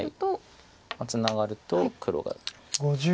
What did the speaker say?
ツナがると黒が。